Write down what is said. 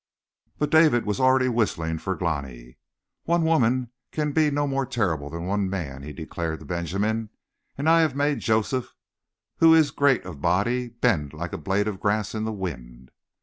But David was already whistling to Glani. "One woman can be no more terrible than one man," he declared to Benjamin. "And I have made Joseph, who is great of body, bend like a blade of grass in the wind."